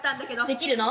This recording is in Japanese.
できるの？